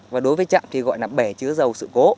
và đối với chạm thì gọi là bẻ chứa dầu sự cố